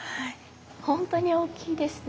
ほんとに大きいですね。